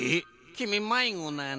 きみまいごなの？